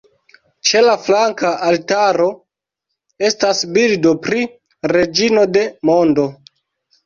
Ĉe la flanka altaro estas bildo pri "Reĝino de Mondo".